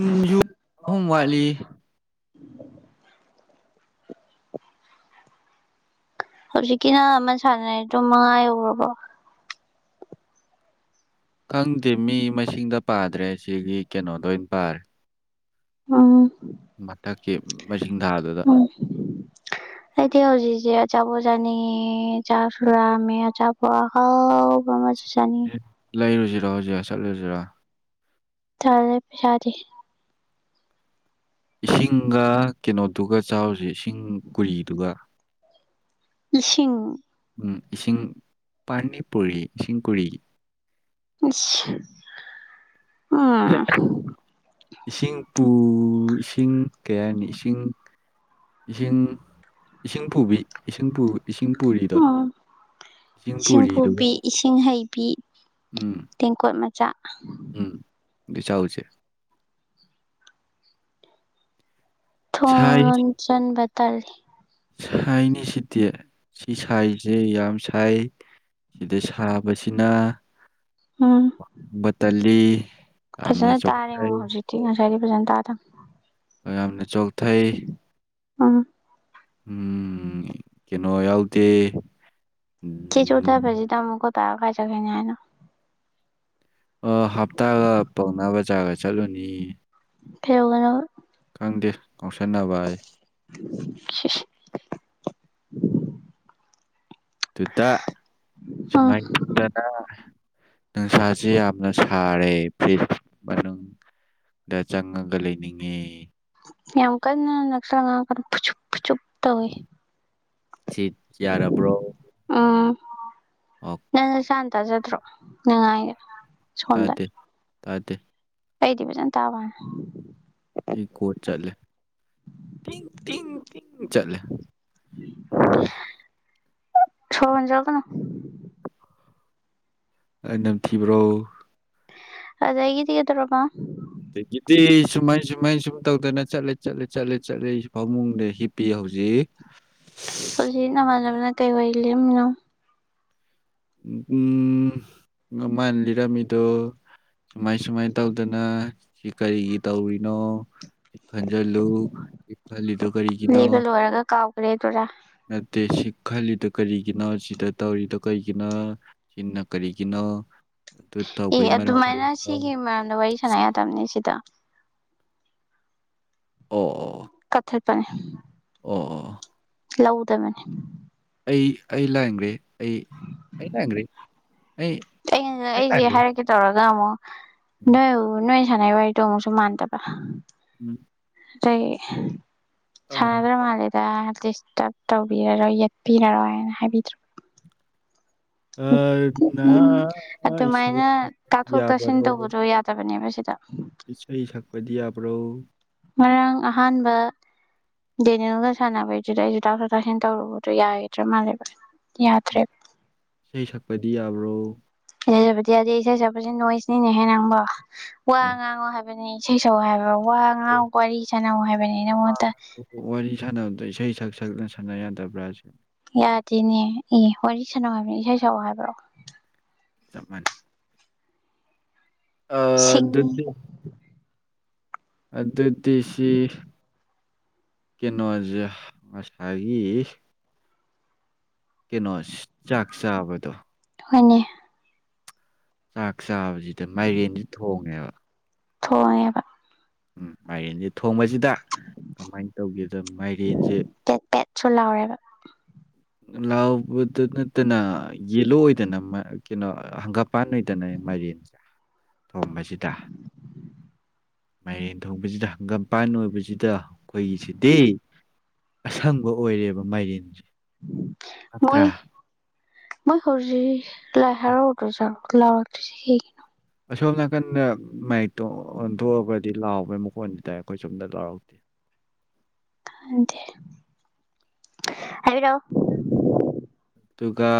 ꯎꯝ ꯌꯨ ꯑꯍꯨꯝ ꯋꯥꯠꯂꯤ ꯍꯧꯖꯤꯛꯀꯤ ꯅꯪ ꯑꯃ ꯁꯥꯟꯅꯔꯦ ꯇꯨꯝ ꯃꯉꯥ ꯌꯧꯒ꯭ꯔꯕꯣ ꯈꯪꯗꯦꯃꯤ ꯃꯁꯤꯡꯗ ꯄꯥꯗ꯭ꯔꯦ ꯁꯤꯒꯤ ꯀꯩꯅꯣꯗ ꯑꯣꯏꯅ ꯄꯥꯔꯦ ꯍꯝ ꯃꯊꯛꯀꯤ ꯃꯖꯤ ꯎꯡ ꯑꯩꯗꯤ ꯍꯧꯖꯤꯛꯁꯦ ꯑꯆꯥꯄꯣꯠ ꯆꯥꯅꯤꯡꯉꯦ ꯆꯥꯛꯁꯨ ꯂꯥꯝꯃꯦ ꯑꯆꯥꯄꯣꯠ ꯑꯍꯥꯎꯕ ꯑꯃ ꯆꯥꯅꯤꯡꯉꯦ ꯂꯩꯔꯨꯖꯤꯔꯣ ꯍꯧꯖꯤꯛ ꯆꯠꯂꯨꯁꯤꯔꯣ ꯇꯜꯂꯦ ꯄꯩꯁꯥꯗꯤ ꯏꯁꯤꯡꯒ ꯀꯩꯅꯣꯗꯨꯒ ꯆꯥꯎꯖꯦ ꯏꯁꯤꯡ ꯈꯣꯍꯤꯗꯨꯒ ꯏꯁꯤꯡ ꯎꯝ ꯏꯁꯤꯡ ꯄꯥꯅꯤ ꯄꯨꯔꯤ ꯏꯁꯤꯡ ꯀꯨꯔꯤ ꯏꯁ ꯎꯝ [unintelligible] ꯏꯁꯤꯡꯄꯨ ꯏꯁꯤꯡ ꯀꯩ ꯍꯥꯏꯅꯤ ꯏꯁꯤꯡ ꯏꯁꯤꯡ ꯏꯁꯤꯡ ꯄꯨꯕꯤ ꯏꯁꯤꯡ ꯄꯨ ꯏꯁꯤꯡ ꯄꯨꯔꯤꯗꯣ ꯎꯝ ꯏꯁꯤꯡ ꯄꯨꯕꯤ ꯏꯁꯤꯡ ꯍꯩꯕꯤ ꯎꯝ ꯇꯦꯡꯀꯣꯠ ꯃꯠ ꯎꯝ ꯗꯨ ꯆꯥꯎꯖꯦ ꯊꯣꯟ ꯆꯟꯕꯇꯜꯂꯤ ꯁꯥꯏꯅꯦ ꯁꯤꯗꯤ ꯁꯤ ꯁꯥꯏꯖꯦ ꯌꯥꯝ ꯁꯥꯏ ꯁꯤꯗ ꯁꯥꯕꯁꯤꯅ ꯕꯇꯜꯂꯤ ꯐꯖꯟꯅ ꯇꯥꯔꯦꯉꯣ ꯍꯧꯖꯤꯛꯇꯤ ꯉꯁꯥꯏꯗꯤ ꯐꯖꯟꯅ ꯇꯥꯗꯝ ꯑꯌꯥꯝꯅ ꯆꯣꯛꯊꯩ ꯎꯝ ꯎꯝ ꯀꯩꯅꯣ ꯌꯥꯎꯗꯦ ꯁꯤ ꯎꯝ ꯆꯣꯛꯊꯕꯖꯤꯗ ꯑꯃꯨꯛꯀ ꯇꯔꯥ ꯀꯥꯏ ꯆꯠꯈꯤꯅꯤ ꯍꯥꯏꯅꯣ ꯑ ꯍꯞꯇꯥꯒ ꯄꯧꯅ ꯕꯖꯥꯔꯒ ꯆꯠꯂꯨꯅꯤ ꯐꯦꯜ ꯂꯩꯔꯣ ꯗꯦ ꯉꯥꯎꯁꯤꯟꯅꯕꯌꯦ [unintelligible] ꯗꯨꯗ ꯎꯝ ꯁꯨꯃꯥꯏ ꯇꯧꯗꯅ ꯅꯨꯡꯁꯥꯥꯁꯤ ꯌꯥꯝꯅ ꯁꯥꯔꯦ ꯐꯤꯖ ꯃꯅꯨꯡ ꯗ ꯆꯪꯉꯒ ꯂꯩꯅꯤꯡꯉꯦ ꯌꯥꯝ ꯀꯟꯅ ꯅꯛꯁꯟꯂ ꯉꯥꯡꯉꯛꯀꯅꯣ ꯐꯨꯆꯨꯞ ꯐꯨꯆꯨꯞ ꯇꯧꯋꯦ ꯁꯤꯠ ꯌꯥꯔꯕ꯭ꯔꯣ ꯎꯝ ꯑꯣ ꯅꯪ ꯅꯁꯥꯅ ꯇꯥꯖꯗ꯭ꯔꯣ ꯅꯪꯉꯥꯡꯉꯤꯗꯣ ꯁꯣꯝꯗ ꯇꯥꯗꯦ ꯇꯥꯗꯦ ꯑꯩꯗꯤ ꯐꯖꯟ ꯇꯥꯕ ꯋꯥꯅꯦ ꯏꯀꯣ ꯆꯠꯂꯦ ꯇꯤꯡ ꯇꯤꯡ ꯆꯠꯂꯦ ꯁꯣꯔ ꯍꯣꯟꯖꯜꯂꯛꯀꯅꯣ ꯑꯩ ꯅꯝꯊꯤꯕ꯭ꯔꯣ ꯑꯗꯒꯤꯗꯤ ꯀꯩꯗꯧꯔꯕ ꯑꯗꯒꯤꯗꯤ ꯁꯨꯃꯥꯏ ꯁꯨꯃꯥꯏ ꯁꯨꯝ ꯇꯧꯗꯅ ꯆꯠꯂꯦ ꯆꯠꯂꯦ ꯆꯠꯂꯦ ꯆꯠꯂꯦ ꯑꯩꯁꯨ ꯐꯃꯨꯡꯗ ꯍꯤꯞꯄꯤꯌꯦ ꯍꯧ ꯍꯨꯖꯤꯛ ꯍꯧꯖꯤꯛ ꯅꯃꯥꯟꯅꯕꯅ ꯀꯩ ꯋꯥꯔꯤ ꯂꯤꯔꯝꯃꯤꯅꯣ ꯎꯝ ꯉꯝ ꯃꯥꯅ ꯂꯤꯔꯝꯃꯤꯗꯣ ꯁꯨꯃꯥꯏ ꯁꯨꯃꯥꯏ ꯇꯧꯗꯅ ꯁꯤ ꯀꯔꯤꯒꯤ ꯇꯧꯔꯤꯅꯣ ꯁꯤ ꯈꯟꯖꯜꯂꯨ ꯍꯤꯞꯐꯜꯂꯤ ꯂꯤꯕ ꯂꯣꯏꯔꯒ ꯀꯥꯎꯒ꯭ꯔꯦꯗꯨꯔꯥ ꯅꯠꯇꯦ ꯁꯤ ꯈꯜꯂꯤꯗꯣ ꯀꯔꯤꯒꯤꯅꯣ ꯁꯤꯗ ꯇꯧꯔꯤꯗꯣ ꯀꯩꯒꯤꯅꯣ ꯁꯤꯅ ꯀꯔꯤꯒꯤꯅꯣ ꯑꯗꯨ ꯑꯦ ꯇꯧꯕꯩ ꯃꯔꯝ ꯑꯗꯨꯃꯥꯏꯅ ꯀꯔꯤꯒꯤꯅꯣ ꯁꯤꯒꯤ ꯃꯔꯝꯗ ꯋꯥꯔꯤ ꯁꯥꯟꯅ ꯌꯥꯗꯝꯅꯦ ꯁꯤꯗ ꯑꯣ ꯑꯣ ꯀꯛꯊꯠꯄꯅꯦ ꯑꯣ ꯑꯣ ꯂꯧꯗꯕꯅꯦ ꯑꯩ ꯑꯩ ꯂꯥꯟꯒ꯭ꯔꯦ ꯑꯩ ꯑꯩ ꯂꯥꯟꯒ꯭ꯔꯦ ꯑꯩ ꯑꯩꯅ ꯑꯩ ꯑꯩꯁꯦ ꯂꯥꯟꯒ꯭ꯔꯦ ꯍꯥꯏꯔꯛꯀꯦ ꯇꯧꯔꯒ ꯑꯃꯨꯛ ꯎꯝ ꯅꯣꯏ ꯅꯣꯏ ꯁꯟꯅꯩ ꯋꯥꯔꯤꯗꯣ ꯑꯃꯨꯛꯨꯁ ꯃꯥꯟꯗꯕ ꯎꯝ ꯆꯩꯌꯦ ꯁꯥꯟꯅꯗ꯭ꯔ ꯃꯥꯜꯂꯦ ꯌꯥ ꯗꯤꯁꯇꯕ ꯇꯧꯕꯤꯔꯔꯣꯏ ꯌꯦꯠꯄꯤꯔꯔꯣꯏꯅ ꯍꯥꯏꯕꯤꯗ꯭ꯔꯕ ꯑꯅꯥ ꯏꯁꯩ ꯑꯗꯨꯃꯥꯏꯅ ꯁꯛꯄ ꯇꯥꯊꯣꯛ ꯇꯥꯁꯤꯟ ꯌꯥꯕꯔꯣ ꯇꯧꯕꯗꯣ ꯌꯥꯗꯕꯅꯦꯕ ꯁꯤꯗ ꯏꯁꯩ ꯁꯛꯄꯗꯤ ꯌꯥꯕ꯭ꯔꯣ ꯉꯔꯥꯡ ꯑꯍꯥꯟꯕ ꯗꯦꯅꯦꯜꯒ ꯁꯥꯟꯅꯕꯩꯗꯨꯗ ꯑꯩꯁꯨ ꯇꯥꯊꯣꯛ ꯇꯥꯁꯤꯟ ꯇꯧꯔꯨꯕꯗꯣ ꯌꯥꯈꯤꯗ꯭ꯔꯥ ꯃꯥꯜꯂꯦꯕ ꯎꯝ ꯌꯥꯗ꯭ꯔꯦ ꯏꯁꯩ ꯁꯛꯄꯗꯤ ꯌꯥꯕ꯭ꯔꯣ ꯏꯁꯩ ꯁꯛꯄꯗꯤ ꯌꯥꯗꯦ ꯏꯁꯩ ꯁꯛꯄꯁꯦ ꯅꯣꯏꯁꯅꯤꯅꯦꯍꯦ ꯅꯪꯕꯣ ꯋꯥ ꯑꯦ ꯉꯥꯡꯉꯣ ꯍꯥꯏꯕꯅꯦ ꯏꯁꯩ ꯁꯛꯑꯣ ꯍꯥꯏꯕ꯭ꯔꯣ ꯋꯥ ꯉꯥꯡꯉꯣ ꯋꯥꯔꯤ ꯁꯥꯅꯧ ꯍꯥꯏꯕꯅꯦ ꯅꯉꯣꯟꯗ ꯋꯥꯔꯤ ꯁꯥꯟꯅꯕꯗ ꯏꯁꯩ ꯁꯛ ꯁꯛꯅ ꯁꯥꯟꯅ ꯌꯥꯗꯕ꯭ꯔꯥ ꯁꯤ ꯌꯥꯗꯦꯅꯦ ꯑꯦ ꯋꯥꯔꯤ ꯁꯥꯟꯅꯧ ꯍꯥꯏꯕꯅꯦ ꯏꯁꯩ ꯁꯛꯑꯣ ꯍꯥꯏꯕ꯭ꯔꯣ ꯆꯞ ꯃꯥꯟꯅꯩ ꯑꯥ ꯁꯤꯡ ꯗꯨꯗꯤ ꯑꯗꯨꯗꯤꯁꯤ ꯀꯦꯅꯣꯖꯦ ꯉꯁꯥꯏꯒꯤ ꯀꯦꯅꯣꯁ ꯆꯥꯛ ꯆꯥꯕꯗꯣ ꯍꯣꯏꯅꯦ ꯆꯥꯛ ꯆꯥꯕꯁꯤꯗ ꯃꯥꯏꯔꯦꯟꯗꯤ ꯊꯣꯡꯉꯦꯕ ꯊꯣꯡꯉꯦꯕ ꯎꯝ ꯃꯥꯔꯦꯟꯖꯦ ꯊꯣꯡꯕꯁꯤꯗ ꯀꯃꯥꯏ ꯇꯧꯒꯦꯗ ꯃꯥꯏꯔꯦꯟꯁꯦ ꯄꯦꯠ ꯄꯦꯠꯁꯨ [inaudible] ꯂꯥꯎꯕꯗ ꯅꯠꯇꯅ ꯌꯦꯂꯣ ꯑꯣꯏꯗꯅꯩ ꯃ ꯀꯩꯅꯣ ꯍꯪꯒꯝꯄꯥꯟ ꯑꯣꯏꯗꯅ ꯃꯥꯏꯔꯦꯟꯖꯦ ꯊꯣꯡꯕꯁꯤꯗ ꯃꯥꯏꯔꯦꯟ ꯊꯣꯡꯕꯁꯤꯗ ꯍꯪꯒꯝꯄꯥꯟ ꯑꯣꯏꯕꯁꯤꯗ ꯑꯩꯈꯣꯏꯒꯤꯁꯤꯗꯤ ꯑꯁꯪꯕ ꯑꯣꯏꯔꯦꯕ ꯃꯥꯏꯔꯦꯟꯖꯦ ꯉꯛꯇ꯭ꯔꯥ ꯃꯣꯏ ꯃꯣꯏ ꯍꯧꯖꯤꯛ ꯂꯥꯏ ꯍꯔꯥꯎꯗ꯭ꯔ ꯖꯥꯠꯂꯣ ꯂꯥꯎꯔꯛꯇ꯭ꯔꯤꯁꯤ ꯀꯩꯒꯤꯅꯣ ꯑꯁꯣꯝ ꯅꯥꯀꯟꯗ ꯃꯥꯏꯛꯇꯣ ꯑꯣꯟꯊꯣꯛꯑꯒꯗꯤ ꯂꯥꯎꯕꯩ ꯃꯀꯣꯟꯗꯤ ꯇꯥꯏ ꯑꯩꯈꯣꯏ ꯁꯣꯝꯗ ꯂꯥꯎꯔꯛꯇꯦ ꯇꯥꯗꯦ ꯍꯥꯏꯔꯧ ꯑꯗꯨꯒ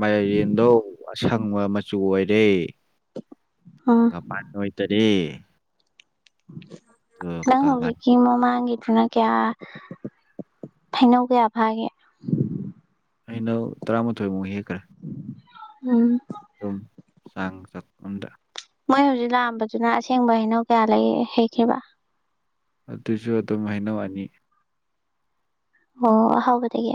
ꯃꯥꯏꯔꯦꯟꯗꯣ ꯑꯁꯪꯕ ꯃꯆꯨ ꯑꯣꯏꯔꯦ ꯎꯝ ꯍꯪꯒꯄꯥꯥꯟꯅ ꯑꯣꯏꯗꯔꯦ ꯑꯗꯣ ꯅꯪ ꯀꯃꯥꯏ ꯍꯧꯖꯤꯛꯀꯤ ꯃꯃꯥꯡꯒꯤ ꯁꯅꯥ ꯀꯌꯥ ꯍꯩꯅꯧ ꯀꯌꯥ ꯐꯥꯒꯦ ꯍꯩꯅꯧ ꯇꯔꯥꯃꯥꯊꯣꯏꯃꯨꯛ ꯍꯦꯛ ꯎꯝ ꯗꯨꯝ ꯆꯥꯡ ꯆꯠ ꯑꯝꯗ ꯃꯣꯏ ꯍꯧꯖꯤꯛ ꯂꯥꯛꯑꯝꯕꯗꯨꯅ ꯑꯁꯦꯡꯕ ꯍꯩꯅꯧ ꯀꯌꯥ ꯂꯩ ꯍꯦꯛꯀꯦꯕ ꯑꯗꯨꯁꯨ ꯑꯗꯨꯝ ꯍꯩꯅꯧ ꯑꯅꯤ ꯑꯣ ꯑꯍꯥꯎꯕꯗꯒꯤ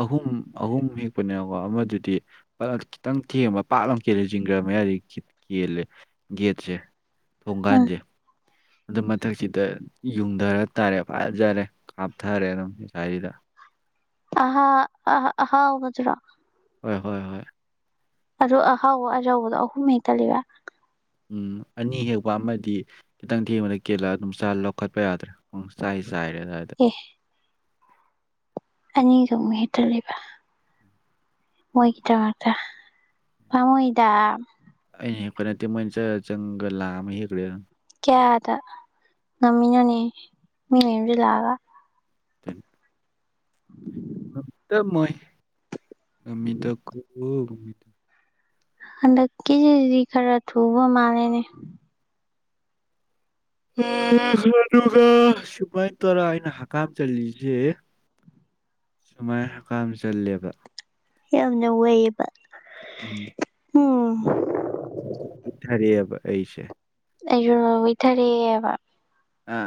ꯑꯍꯨꯝ ꯑꯍꯨꯝ ꯍꯦꯛꯄꯅꯦꯕꯀꯣ ꯑꯃꯗꯨꯗꯤ ꯃꯅ ꯈꯤꯇꯪ ꯊꯦꯡꯕ ꯄꯥꯛ ꯂꯥꯎ ꯀꯦꯂꯦ ꯖꯤꯡꯒ ꯃꯌꯥꯗꯤ ꯀꯦꯜꯂꯦ ꯒꯦꯠꯁꯦ ꯎꯝ ꯊꯣꯡꯒꯥꯟꯗꯦ ꯑꯗꯨ ꯃꯊꯛꯁꯤꯗ ꯌꯨꯡꯙꯔꯥ ꯇꯥꯔꯦ ꯐꯖꯔꯦ ꯀꯥꯞꯊꯔꯦ ꯑꯗꯨꯝ ꯑꯁꯥꯏꯁꯤꯗ ꯑꯍ ꯑ ꯑꯍꯥꯎꯕꯗꯨꯔꯣ ꯍꯣꯏ ꯍꯣꯏ ꯍꯣꯏ ꯑꯗꯨ ꯑꯍꯥꯎꯕ ꯑꯆꯧꯕꯗꯨ ꯑꯍꯨꯝ ꯍꯦꯛꯇꯠꯂꯤꯕ ꯎꯝ ꯑꯅꯤ ꯍꯦꯛꯄ ꯑꯃꯗꯤ ꯈꯤꯇꯪ ꯊꯦꯡꯕꯗ ꯀꯦꯜꯂꯛꯑ ꯑꯗꯨꯝ ꯆ ꯂꯧꯈꯠꯄ ꯌꯥꯗ꯭ꯔꯦ ꯄꯨꯡꯆꯥꯢ ꯆꯥꯢꯔꯦ ꯑꯗꯥꯢꯗ ꯑꯦ ꯑꯅꯤꯒ ꯃꯨꯛ ꯍꯦꯛꯇꯠꯂꯤꯕ ꯃꯣꯏꯒꯤꯗ꯭ꯔꯗ ꯄꯥꯃꯨꯏꯗ ꯑꯩꯅ ꯍꯦꯛꯄ ꯅꯠꯇꯦ ꯃꯣꯏꯅ ꯆ ꯆꯔ ꯆꯪꯉꯒ ꯂꯥꯝꯃ ꯍꯦꯛꯈ꯭ꯔꯦ ꯑꯗꯨꯝ ꯀꯌꯥꯗ ꯉꯝꯃꯤꯅꯣꯅꯦ ꯃꯤ ꯃꯌꯨꯝꯗ ꯂꯥꯛꯑꯒ [inaudible] [inaudible] ꯅꯪ ꯇ ꯃꯣꯏ ꯉꯃꯤꯗꯀꯣ ꯃꯤꯗ ꯍꯟꯗꯛꯀꯤꯁꯤꯗꯤ ꯈꯔ ꯊꯨꯕ ꯃꯥꯜꯂꯦꯅꯦ [unintelligible] ꯁꯨꯃꯥꯏ ꯇꯧꯔ ꯑꯩꯅ ꯍꯀꯥꯝ ꯆꯜꯂꯤꯖꯦ ꯁꯨꯃꯥꯏ ꯍꯀꯥꯝ ꯆꯜꯂꯦꯕ ꯌꯥꯝꯅ ꯋꯩꯌꯦꯕ ꯎꯝ ꯎꯝ [unintelligible] ꯊꯔꯦꯕ ꯑꯩꯁꯦ ꯑꯩꯁꯨ ꯅꯣ ꯋꯨꯏꯊꯔꯦꯕ ꯑ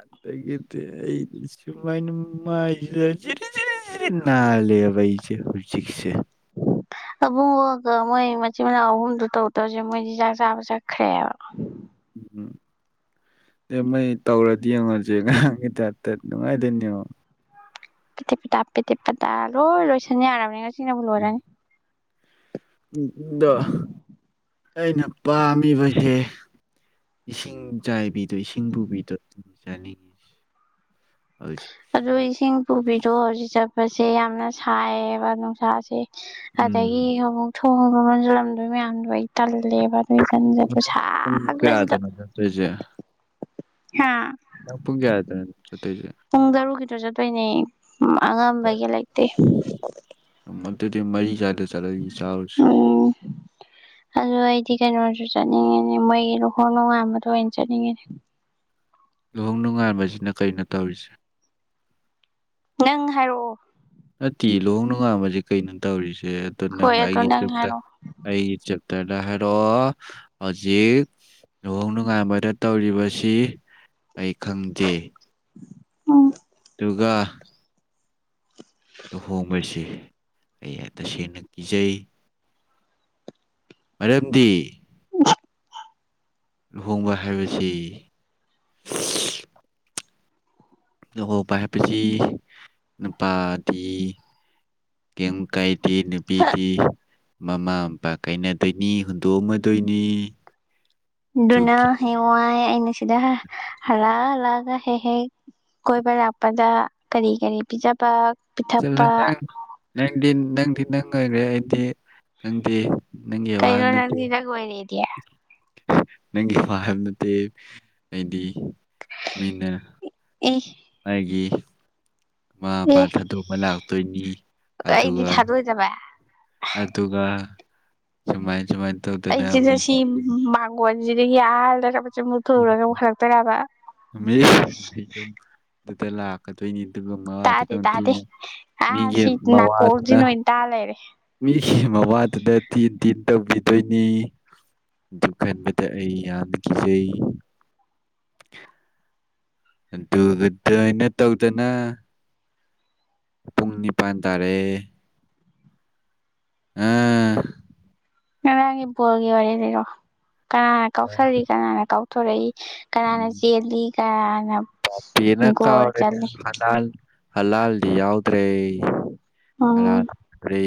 ꯑꯗꯒꯤꯗꯤ ꯑꯩ ꯁꯨꯃꯥꯏꯅ ꯃꯥꯢꯁꯤꯗ ꯖꯤꯔꯤ ꯖꯤꯔꯤ ꯁꯤꯠ ꯅꯥꯜꯂꯦꯕ ꯑꯩꯁꯦ ꯍꯧꯖꯤꯛꯁꯦ [inaudible] ꯑꯕꯨꯡꯉꯣꯒ ꯃꯣꯏ ꯃꯆꯤꯟ ꯃꯅꯥꯎ ꯑꯍꯨꯝꯗꯣ ꯇꯧꯗꯧꯁꯦ ꯃꯣꯏꯗꯤ ꯆꯥꯛ ꯆꯥꯕ ꯆꯠꯈ꯭ꯔꯦꯕ [inaudible] ꯇꯦꯃꯩ ꯇꯧꯔꯗꯤ ꯌꯦꯡꯉꯨꯖꯦ ꯉꯔꯥꯡꯒꯤ ꯇꯥꯏꯞꯇ ꯅꯨꯡꯉꯥꯏꯗꯣꯏꯅꯦ ꯌꯦꯡꯉꯣ ꯄꯦꯗꯦꯛ ꯄꯦꯗꯥ ꯄꯦꯗꯦꯛ ꯄꯦꯗꯥ ꯂꯣꯏ ꯂꯣꯏꯁꯟ ꯌꯥꯔꯕꯅꯦ ꯉꯁꯤꯅꯕꯨ ꯂꯣꯏꯔꯅꯤ ꯄꯨ ꯄꯨꯗꯣ ꯑꯩꯅ ꯄꯥꯝꯃꯤꯕꯁꯦ ꯏꯁꯤꯡ ꯆꯥꯏꯕꯤꯗꯣ ꯏꯁꯤꯡ ꯄꯨꯕꯤꯗꯣ ꯑꯗꯨ ꯆꯥꯅꯤꯡꯉꯤ ꯍꯧꯖꯤꯛꯁꯤ ꯑꯗꯨ ꯏꯁꯤꯡ ꯄꯨꯕꯤꯗꯣ ꯍꯧꯖꯤꯛ ꯆꯠꯄꯁꯦ ꯌꯥꯝꯅ ꯁꯥꯏꯌꯦꯕ ꯅꯨꯡꯁꯥꯁꯦ ꯑꯗꯒꯤ ꯎꯝ ꯑꯃꯨꯛ ꯅꯣꯡꯅꯒ ꯆꯨꯔꯝꯗꯣꯏ ꯃꯌꯥꯝꯗꯣ ꯑꯩ ꯇꯜ ꯂꯦꯕ ꯑꯗꯨꯏ ꯖꯟꯖꯗꯨ ꯄꯨꯡ ꯁꯒ꯭ꯔꯁꯤꯗ ꯀꯌꯥꯗꯅꯣ ꯆꯠꯇꯣꯏꯁꯦ ꯅꯪ ꯄꯨꯡ ꯀꯌꯥꯗꯅꯣ ꯆꯠꯇꯩꯁꯦ ꯄꯨꯡ ꯇꯔꯨꯛꯀꯤꯗꯣ ꯆꯠꯇꯣꯏꯅꯦ ꯑꯉꯟꯕꯒꯤ ꯂꯩꯇꯦ ꯑꯗꯨꯗꯤ ꯃꯔꯤ ꯁ꯭ꯋꯥꯏꯗ ꯆꯠꯂꯒ ꯆꯥꯔꯨꯁꯤ ꯎꯝ ꯑꯗꯣ ꯑꯩꯗꯤ ꯀꯩꯅꯣ ꯆꯠꯅꯤꯡꯉꯦꯅꯦ ꯃꯣꯏ ꯂꯨꯍꯣꯡ ꯅꯣꯉꯥꯟꯕꯗꯣ ꯑꯣꯏꯅ ꯆꯠꯅꯤꯡꯉꯤꯅꯦ ꯂꯨꯍꯣꯡ ꯅꯨꯡꯉꯥꯟꯕꯁꯤꯅ ꯀꯩꯅꯣ ꯇꯧꯔꯤꯁꯦ ꯅꯪ ꯍꯥꯏꯔꯛꯑꯣ ꯅꯠꯇꯤ ꯂꯨꯍꯣꯡ ꯅꯣꯡꯉꯥꯟꯕꯁꯦ ꯀꯩꯅꯣ ꯇꯧꯔꯤꯁꯦ ꯑꯗꯣ ꯅꯪ ꯍꯣꯏ ꯑꯗꯣ ꯑꯩꯒꯤ ꯆꯇꯠ ꯍꯥꯏꯔꯛꯑꯣ ꯑꯩꯒꯤ ꯆꯠ ꯇꯔꯗ ꯍꯥꯏꯔꯛꯑꯣ ꯍꯧꯖꯤꯛ ꯂꯨꯍꯣꯡ ꯅꯨꯡꯉꯥꯟꯕꯗ ꯇꯧꯔꯤꯕꯁꯤ ꯑꯩ ꯈꯪꯗꯦ ꯑꯣ ꯗꯨꯒ ꯂꯨꯍꯣꯡꯕꯁꯤ ꯑꯩ ꯇꯁꯦꯡꯅ ꯀꯤꯖꯩ ꯃꯔꯝꯗꯤ [unintelligible] ꯂꯨꯍꯣꯡꯕ ꯍꯥꯏꯕꯁꯤ [unintelligible] ꯂꯨꯍꯧꯕ ꯍꯥꯏꯕꯁꯤ ꯅꯨꯄꯥꯗꯤ ꯀꯦꯝ ꯀꯥꯏ ꯗꯦ ꯅꯨꯄꯤꯗꯤ ꯃꯃꯥ ꯃꯄꯥ ꯀꯥꯏꯅꯗꯣꯏꯅꯤ ꯍꯨꯟꯗꯣꯛꯑꯝꯃꯗꯣꯏꯅꯤ ꯑꯗꯨꯅ ꯑꯗꯨꯒꯤ ꯍꯌꯦꯡꯋꯥꯏ ꯑꯩꯅ ꯁꯤꯗ ꯍꯜꯂꯛ ꯍꯂꯛꯑꯒ ꯍꯦꯛ ꯍꯦꯛ ꯀꯣꯏꯕ ꯂꯥꯛꯄꯗ ꯀꯔꯤ ꯀꯔꯤ ꯄꯤꯖꯕ ꯆꯠꯂꯣ ꯄꯤꯊꯛꯄ ꯅꯪ ꯅꯪꯗꯤ ꯅꯪꯗꯤ ꯅꯪ ꯑꯣꯏꯔꯦ ꯑꯩꯗꯤ ꯅꯪꯗꯤ ꯅꯪꯒꯤ ꯋꯥ ꯀꯩꯅꯣ ꯅꯠꯇꯦ ꯅꯪꯗꯤ ꯅꯪ ꯑꯣꯏꯔꯦꯗꯤ ꯅꯪꯒꯤ ꯋꯥ ꯍꯥꯏꯕ ꯅꯠꯇꯦ ꯑꯩꯗꯤ ꯃꯤꯅ ꯑꯦ ꯅꯪꯒꯤ ꯃꯥ ꯕꯥ ꯑꯦ ꯊꯥꯗꯣꯛꯑꯝꯃ ꯂꯥꯛꯇꯣꯏꯅꯤ ꯑꯩꯗꯤ ꯑꯗꯨꯒ ꯊꯥꯗꯣꯏꯗꯕ ꯑꯗꯨꯒ ꯁꯨꯃꯥꯏ ꯁꯨꯃꯥꯏꯅ ꯑꯩ ꯇꯧꯗꯅ ꯃꯤ ꯆꯦꯟꯖꯁꯤ ꯃꯒꯣꯟꯖꯤꯗ ꯌꯥꯜꯗ ꯔ ꯆ ꯃꯨ ꯊꯣꯛꯎꯔ ꯑꯃꯨꯛ ꯍꯜꯂꯛꯇꯣꯏꯔꯕ ꯗꯨꯗ ꯂꯥꯛꯀꯗꯣꯏꯅꯤ ꯑꯗꯨ ꯃꯃꯥꯗ ꯇꯥꯗꯦ ꯅꯪꯒꯤ ꯇꯥꯗꯦ ꯑꯥ ꯃꯤꯒꯤ ꯁꯤ ꯃꯋꯥꯗꯨꯅ ꯅꯥꯀꯣꯡꯁꯤꯅ ꯑꯣꯏꯅ ꯇꯥ ꯂꯩꯔꯦ ꯃꯤꯒꯤ ꯃꯋꯥꯗꯨꯗ ꯊꯤꯟ ꯊꯤꯟ ꯇꯧꯕꯤꯗꯣꯏꯅꯤ ꯑꯗꯨ ꯈꯟꯕꯗ ꯑꯩ ꯌꯥꯝꯅ ꯀꯤꯖꯩ [inaudible] ꯑꯗꯨ ꯑꯗꯥꯏꯅ ꯇꯧꯗꯅ ꯄꯨꯡ ꯅꯤꯄꯥꯟ ꯇꯥꯔꯦ ꯑꯥ [inaudible] ꯉꯔꯥꯡꯒꯤ ꯕꯣꯜꯒꯤ ꯋꯥꯔꯤ ꯂꯤꯔꯛꯑꯣ ꯀꯅꯥꯅ ꯀꯥꯎꯁꯜꯂꯤ ꯀꯅꯥꯅ ꯀꯥꯎꯊꯣꯔꯛꯏ ꯀꯅꯥꯅ ꯆꯦꯜꯂꯤ ꯀꯅ ꯕꯄꯦꯅ ꯀꯥꯎꯔꯦ ꯍꯂꯥꯜ ꯍꯂꯥꯜꯗꯤ ꯌꯥꯎꯗ꯭ꯔꯦ ꯎꯝ ꯉꯔꯥꯡ ꯔꯦ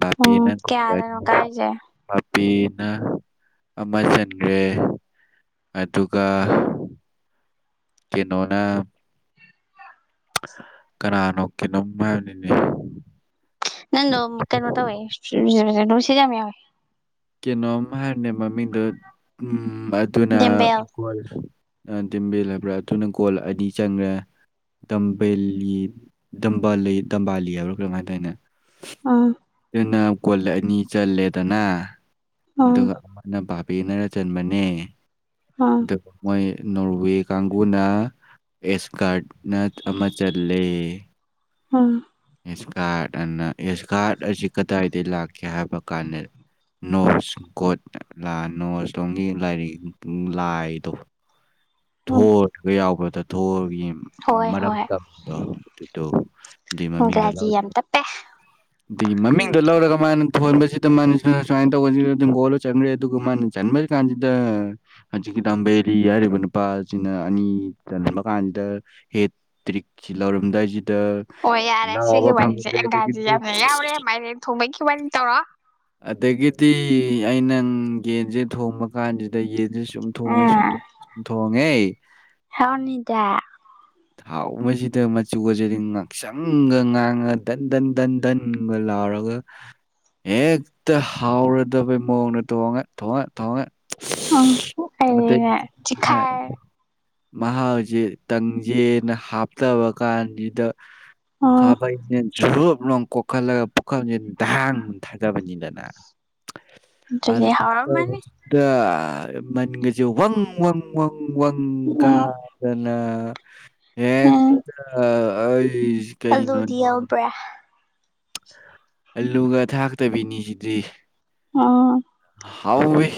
ꯕꯄꯦꯅ ꯎꯝ ꯀꯌꯥꯗꯅꯣ ꯀꯥꯏꯁꯦ [unintelligible] ꯄꯦꯅ ꯑꯃ ꯆꯟꯒ꯭ꯔꯦ ꯑꯗꯨꯒ ꯀꯦꯅꯣꯅ ꯀꯅꯥꯅꯣ ꯀꯩꯅꯣꯝ ꯍꯥꯏꯕꯅꯤꯅꯦ ꯅꯪꯗꯣ ꯀꯩꯅꯣ ꯇꯧꯋꯦ [unintelligible] ꯌꯥꯝ ꯌꯥꯎꯋꯦ ꯀꯦꯅꯣꯝ ꯍꯥꯏꯕꯅꯦ ꯃꯃꯤꯡꯗꯣ ꯎꯝ ꯑꯗꯨꯅ ꯗꯦꯝꯕꯦꯜ ꯇꯤꯝꯕꯦꯜ ꯍꯥꯏꯕ꯭ꯔꯥ ꯑꯗꯨꯅ ꯒꯣꯜ ꯑꯅꯤ ꯆꯟꯒ꯭ꯔꯦ ꯗꯝꯕꯦꯜꯂꯤ ꯗꯝꯕꯥꯜꯂꯤ ꯗꯝꯕꯥꯜꯂꯤ ꯍꯥꯏꯕ꯭ꯔꯥ ꯀꯩꯅꯣꯝ ꯍꯥꯏꯗꯥꯏꯅꯦ ꯑꯥ ꯑꯗꯨꯅ ꯀꯣꯜ ꯑꯅꯤ ꯆꯜꯂꯦꯗꯅ ꯎꯝ ꯑꯗꯨꯒ ꯑꯃꯅ ꯕꯥꯠ ꯄꯦꯅꯔꯥ ꯆꯟꯕꯅꯦ ꯎꯝ ꯑꯗꯨꯒ ꯃꯣꯏ ꯅꯣꯔꯋꯦ ꯀꯥꯡꯕꯨꯅ ꯑꯦꯁꯀꯥꯔꯠꯅ ꯑꯃ ꯆꯜꯂꯦ [unintelligible] ꯑꯦꯁꯀꯥꯔꯠ ꯑꯅ ꯑꯦꯁꯀꯥꯔꯠ ꯑꯁꯤ ꯀꯗꯥꯏꯗꯒꯤ ꯂꯥꯛꯀꯦ ꯍꯥꯏꯕ ꯀꯥꯟꯗ ꯅꯣꯁ ꯀꯣꯠ ꯂ ꯅꯣꯁ ꯂꯣꯝꯒꯤ ꯂꯥꯏꯔꯤꯛ ꯂꯥꯏꯗꯣ ꯎꯝ ꯊꯣꯔꯗꯒ ꯌꯥꯎꯕꯗꯣ ꯊꯣꯔꯒ ꯌꯦꯡ ꯍꯣꯏ ꯍꯣꯏ ꯃꯔꯝꯗꯝꯗꯣ ꯗꯨꯗꯣ ꯗꯨꯏ ꯃꯃꯤꯡꯗꯣ ꯂꯧ ꯏꯪꯒ꯭ꯔꯥꯖꯤ ꯌꯥꯝ ꯇꯞꯄꯦ ꯑꯗꯨꯒꯤ ꯃꯃꯤꯡꯗꯣ ꯂꯧꯔꯒ ꯃꯥꯅ ꯊꯣꯟꯕꯁꯤꯗ ꯃꯥ ꯅ ꯁꯨꯃꯥꯏꯅ ꯇꯧꯕꯁꯤ ꯑꯗꯨ ꯒꯣꯜꯗꯣ ꯆꯟꯒ꯭ꯔꯦ ꯑꯗꯨꯒ ꯃꯥꯅ ꯆꯟꯕ ꯀꯥꯟꯖꯤꯗ ꯍꯖꯤꯛꯒꯤ ꯗꯝꯕꯦꯔꯤ ꯍꯥꯢꯔꯤꯕ ꯅꯨ ꯅꯨꯨꯄꯥꯁꯤꯅ ꯑꯅꯤ ꯆꯟꯕ ꯀꯥꯟꯁꯤꯗ ꯍꯦꯠ ꯇ꯭ꯔꯤꯛꯁꯤ ꯂꯧꯔꯝꯗꯥꯏ ꯗ ꯑꯣ ꯌꯥꯔꯦ ꯅꯥꯕ ꯁꯤꯒꯤ ꯋꯥꯔꯤꯁꯦ ꯐꯪꯗ꯭ꯔꯦ ꯑꯪꯒ꯭ꯔꯥꯖꯤ ꯑꯗꯒꯤꯗꯤ ꯌꯥꯝꯅ ꯌꯥꯎꯔꯦ ꯃꯥꯏꯔꯦꯟ ꯊꯣꯡꯕꯒꯤ ꯋꯥꯔꯤ ꯇꯧꯔꯣ ꯑꯗꯒꯤꯗꯤ ꯑꯩꯅꯪ ꯌꯦꯟꯖꯦ ꯊꯣꯡꯕ ꯀꯥꯟꯁꯤꯗ ꯌꯦꯟ ꯁꯨꯝ ꯊꯣꯡꯉꯦ ꯁꯨꯝ ꯊꯣꯡꯉꯦ ꯁꯨꯝ ꯊꯣꯡꯉꯦ ꯍꯥꯎꯔꯅꯤꯗ ꯍꯥꯎꯃꯁꯤꯗ ꯃꯆꯨꯒꯁꯤꯗꯤ ꯉꯥꯡꯁꯪꯒ ꯉꯥꯡꯉꯗꯅ ꯗꯟ ꯗꯟ ꯗꯟꯒ ꯂꯥꯎ ꯔꯒ ꯍꯦꯛꯇ ꯍꯥꯎꯔꯗꯕꯩ ꯃꯑꯣꯡꯗ ꯊꯣꯡꯉꯦ ꯊꯣꯡꯉꯦ ꯊꯣꯡꯉꯦ ꯎꯝ ꯑꯩꯅ ꯆꯤꯈꯥꯏ [unintelligible] ꯃꯍꯥꯎꯁꯦ ꯇꯪꯖꯦꯅ ꯍꯥꯞꯇꯕ ꯀꯥꯟꯁꯤꯗ ꯎꯝ ꯈꯥꯕꯩꯁꯤꯅ ꯖꯨꯞ ꯂꯥꯎꯅ ꯀꯣꯈꯠꯂꯒ ꯄꯨꯈꯝꯁꯤꯗ ꯙꯥꯡ ꯊꯥꯗꯕꯅꯤ ꯑꯗꯨꯗꯤ ꯍꯥꯎꯔꯝꯃꯅꯤ [unintelligible] ꯃꯅꯤꯟꯒꯁꯦ ꯋꯪ ꯋꯪ ꯋꯪ ꯋꯪ ꯎꯝ ꯀꯥꯗꯅ ꯎꯝ ꯍꯦꯛꯇꯥ ꯑꯩꯁ ꯀꯩꯅꯣꯅꯦ ꯑꯂꯨꯗꯤ ꯌꯥꯎꯕ꯭ꯔꯥ ꯑꯂꯨꯒ ꯊꯥꯛꯇꯕꯤꯅꯤ ꯁꯤꯗꯤ ꯑꯣ ꯍꯥꯎꯋꯤ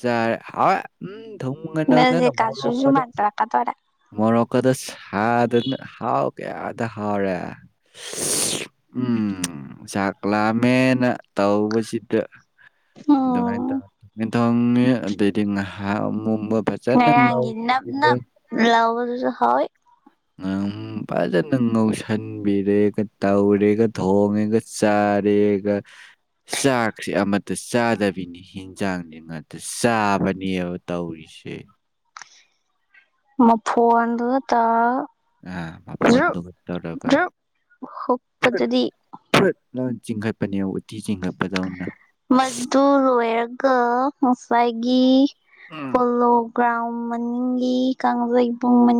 ꯆꯥꯔꯦ ꯍꯥꯎꯋꯦ ꯎꯝ ꯊꯨꯝꯒ ꯑꯗꯨꯗꯤ ꯅꯝꯗꯅ ꯀꯥꯖꯨꯁꯨ ꯃꯣꯔꯣꯛꯀꯗꯣ ꯃꯥꯟꯁꯤꯜꯂꯛꯀꯗꯣꯔꯦ ꯃꯣꯔꯣꯛ ꯀꯗ ꯁꯥꯗꯅ ꯍꯥꯎ ꯀꯌꯥꯗ ꯍꯥꯎꯔꯦ ꯎꯝ ꯆꯥꯛ ꯂꯥꯝꯃꯦꯅ ꯇꯧꯕꯁꯤꯗ ꯑꯗꯨꯃꯥꯏꯅ ꯎꯝ ꯇꯧꯔꯦ ꯇꯪꯉꯦ ꯑꯗꯩꯗꯤ ꯉꯥꯏꯍꯥꯛ ꯑꯃꯨꯛ ꯉꯔꯥꯡꯒꯤ ꯅꯞ ꯅꯞ ꯂꯥꯎꯕꯗꯨꯁꯨ ꯍꯥꯎꯋꯤ ꯑꯝ ꯐꯖꯅ ꯉꯧꯁꯟꯕꯤꯔꯦꯒ ꯇꯧꯔꯦꯒ ꯊꯣꯡꯉꯦꯒ ꯆꯥꯔꯦ ꯔꯦꯒ ꯆꯥꯛꯁꯦ ꯑꯃꯠꯇ ꯆꯥꯗꯕꯤꯅꯤ ꯍꯤꯟꯖꯥꯡꯁꯦ ꯉꯥꯛꯇ ꯆꯥꯕꯅꯦꯕ ꯇꯧꯔꯤꯁꯦ ꯃꯐꯣꯟꯗꯨꯒ ꯇꯧꯔꯒ ꯑꯥꯥ ꯖ꯭ꯔꯨꯞ ꯃꯐꯣꯟꯗꯨꯅ ꯇꯧꯔꯒ ꯖ꯭ꯔꯨꯞ ꯍꯨꯛꯄꯗꯨꯗꯤ ꯗꯨꯅ ꯆꯤꯡꯈꯠꯄꯅꯦ ꯃꯗꯨ ꯂꯣꯏꯔꯥ ꯒ ꯉꯥꯁꯥꯏꯒꯤ ꯎꯝ ꯄꯣꯂꯣꯒꯔꯥꯎꯅꯗ ꯃꯅꯤꯡꯒꯤ ꯀꯥꯡꯖꯩꯕꯨꯡ ꯃꯥꯅꯤꯡ